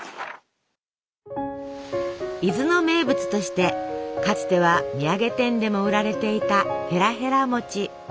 伊豆の名物としてかつては土産店でも売られていたへらへら餅。